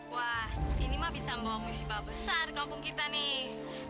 wah ini mah bisa membawa musibah besar kampung kita nih